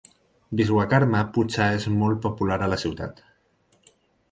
Vishwakarma Puja és molt popular a la ciutat.